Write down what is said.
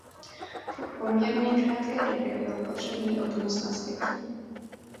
V poměrně krátké době byl potřebný obnos na světě.